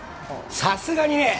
さすがにね